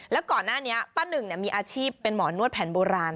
แล้วก่อนหน้านี้ป้าหนึ่งมีอาชีพเป็นหมอนวดแผนโบราณ